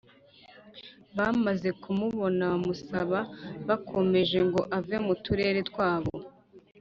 bamaze kumubona bamusaba bakomeje ngo ave mu turere twabo